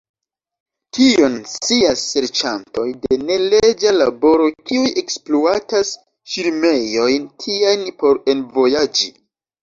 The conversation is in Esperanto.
Tion scias serĉantoj de neleĝa laboro, kiuj ekspluatas ŝirmejojn tiajn por envojaĝi.